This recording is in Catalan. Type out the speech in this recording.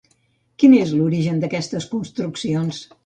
Quin és l'origen d'aquestes construccions?